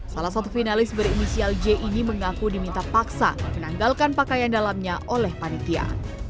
salah satu finalis berinisial j ini mengaku diminta paksa menanggalkan pakaian dalamnya oleh panitia